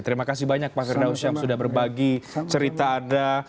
terima kasih banyak pak firdausyam sudah berbagi cerita anda